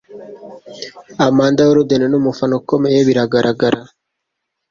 Amanda Holden numufana ukomeye, biragaragara